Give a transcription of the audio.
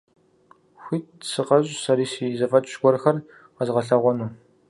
Хуит сыкъэщӀ сэри си зэфӀэкӀ гуэрхэр къэзгъэлъэгъуэну.